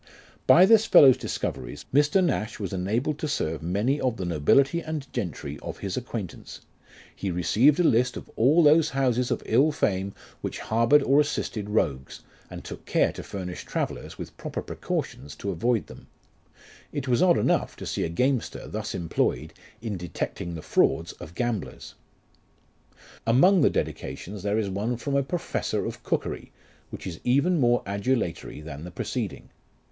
By this fellow's discoveries, Mr. Nash was enabled to serve many of the nobility and gentry of his acquaintance : he received a list of all those LIFE OF RICHARD NASH. 91 houses of ill fame which harboured or assisted rogues, and took care to furnish travellers with proper precautions to avoid them. It was odd enough to see a gamester thus employed in detecting the frauds of gamblers. Among the Dedications there is one from a Professor of Cookery, which is even more adulatory than the preceding.